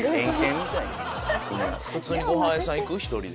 普通にご飯屋さん行く？一人で。